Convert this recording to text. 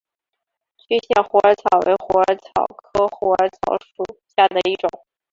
区限虎耳草为虎耳草科虎耳草属下的一个种。